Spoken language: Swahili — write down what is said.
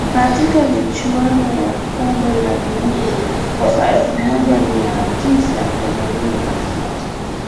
katika michuano ya kombe la dunia mwaka elfu moja mia tisa themanini na sita